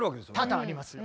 多々ありますよ。